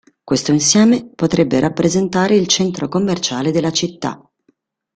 Questo insieme potrebbe rappresentare il centro commerciale della città.